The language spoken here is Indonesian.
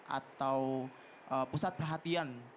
atau pusat perhatian